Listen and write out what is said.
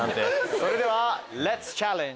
それではレッツチャレンジ！